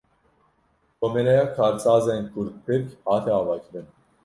Komeleya Karsazên Kurd-Tirk hate avakirin